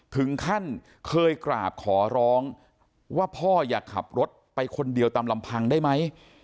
ถึงขั้นเคยกราบขอร้องว่าพ่ออย่าขับรถไปคนเดียวตามลำพังได้ไหม